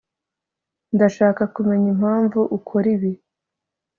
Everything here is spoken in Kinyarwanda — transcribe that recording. ndashaka kumenya impamvu ukora ibi